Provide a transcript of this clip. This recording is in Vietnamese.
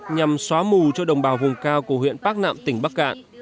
nhằm xóa mù cho đồng bào vùng cao của huyện bắc nạm tỉnh bắc cạn